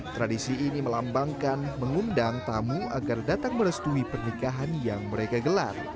tradisi ini melambangkan mengundang tamu agar datang merestui pernikahan yang mereka gelar